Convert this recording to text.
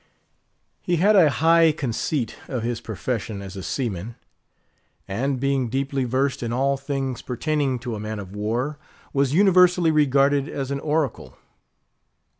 He had a high conceit of his profession as a seaman; and being deeply versed in all things pertaining to a man of war, was universally regarded as an oracle.